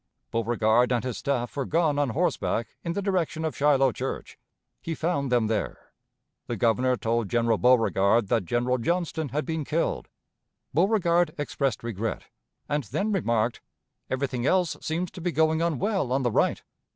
Beauregard and his staff were gone on horseback in the direction of Shiloh Church. He found them there. The Governor told General Beauregard that General Johnston had been killed. Beauregard expressed regret, and then remarked, 'Everything else seems to be going on well on the right.'